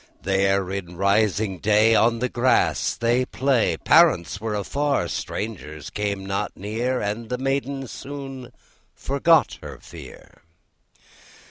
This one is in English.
There, in rising day, On the grass they play; Parents were afar, Strangers came not near, And the maiden soon forgot her fear.